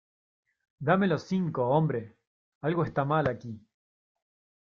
¡ Dame los cinco, hombre! Algo está mal aquí.